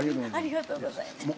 ありがとうございます。